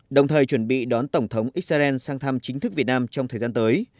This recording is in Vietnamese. đồng thời chuẩn bị đón tổng thống israel sang thăm chính thức việt nam trong thời gian tới